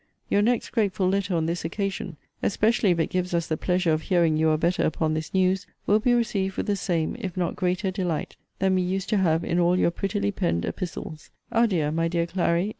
Your next grateful letter on this occasion, especially if it gives us the pleasure of hearing you are better upon this news, will be received with the same (if not greater) delight, than we used to have in all your prettily penn'd epistles. Adieu, my dear Clary!